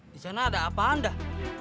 disana ada apaan dah